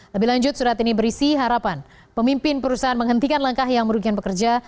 lebih lanjut surat ini berisi harapan pemimpin perusahaan menghentikan langkah yang merugikan pekerja